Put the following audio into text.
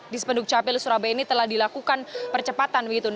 di spenduk capil surabaya ini telah dilakukan percepatan begitu